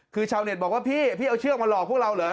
คือชาวเน็ตบอกว่าพี่พี่เอาเชือกมาหลอกพวกเราเหรอ